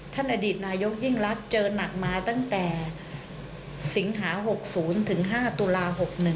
อดีตนายกยิ่งรักเจอหนักมาตั้งแต่สิงหา๖๐ถึง๕ตุลา๖๑